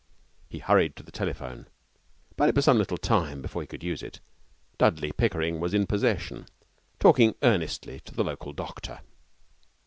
He hurried to the telephone, but it was some little time before he could use it. Dudley Pickering was in possession, talking earnestly to the local doctor.